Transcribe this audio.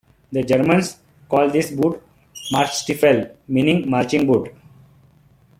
The Germans call this boot "Marschstiefel", meaning "marching boot".